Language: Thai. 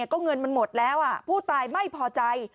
ก็เงินมันหมดแล้วผู้ตายไม่พอใจ